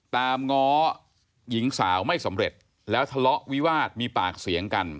ง้อหญิงสาวไม่สำเร็จแล้วทะเลาะวิวาสมีปากเสียงกัน